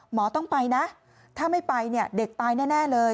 หมอต้องไปนะถ้าไม่ไปเนี่ยเด็กตายแน่เลย